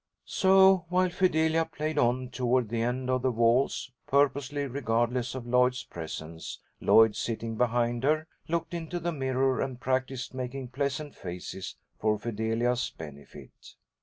So while Fidelia played on toward the end of the waltz, purposely regardless of Lloyd's presence, Lloyd, sitting behind her, looked into the mirror, and practised making pleasant faces for Fidelia's benefit.